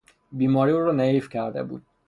بیماری او را نحیف کرده بود.